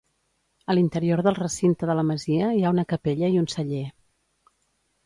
A l'interior del recinte de la masia hi ha una capella i un celler.